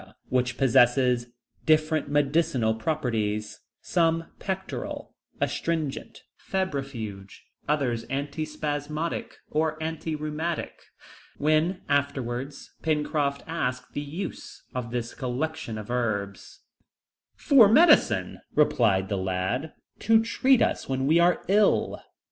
which possess different medicinal properties, some pectoral, astringent, febrifuge, others anti spasmodic, or anti rheumatic. When, afterwards, Pencroft asked the use of this collection of herbs, "For medicine," replied the lad, "to treat us when we are ill."